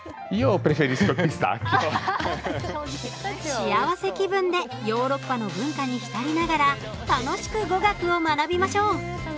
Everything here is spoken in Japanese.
しあわせ気分でヨーロッパの文化に浸りながら楽しく語学を学びましょう。